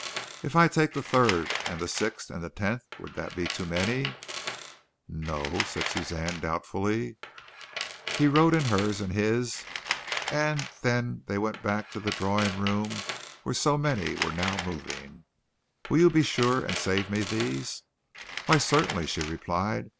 "If I take the third and the sixth and the tenth would that be too many?" "No o," said Suzanne doubtfully. He wrote in hers and his and then they went back to the drawing room where so many were now moving. "Will you be sure and save me these?" "Why, certainly," she replied.